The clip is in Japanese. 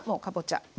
かぼちゃ